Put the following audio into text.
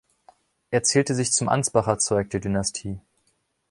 Er zählte sich zum Ansbacher Zweig der Dynastie.